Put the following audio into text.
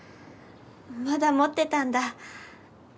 まだ持ってたんだ。